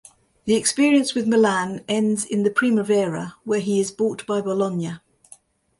The experience with Milan ends in the Primavera where he is bought by Bologna.